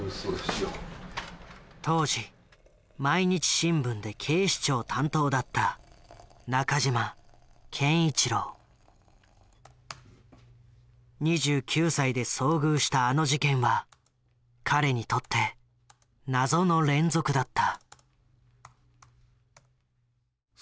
当時毎日新聞で警視庁担当だった２９歳で遭遇したあの事件は彼にとって謎の連続だった。